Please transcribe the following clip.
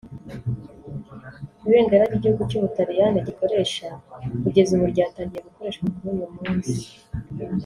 Ibendera ry’igihugu cy’ubutaliyani gikoresha kugeza ubu ryatangiye gukoreshwa kuri uyu munsi